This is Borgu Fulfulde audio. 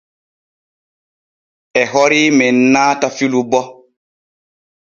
E hori men naata filu bo.